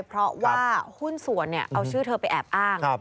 เพราะว่าหุ้นส่วนเอาชื่อเธอไปแอบอ้าง